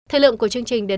hẹn gặp lại